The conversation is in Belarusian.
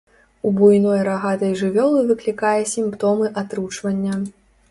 У буйной рагатай жывёлы выклікае сімптомы атручвання.